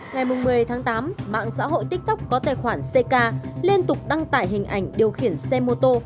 ngày một mươi tháng tám mạng xã hội tiktok có tài khoản ck liên tục đăng tải hình ảnh điều khiển xe mô tô